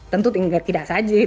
tentu tidak saja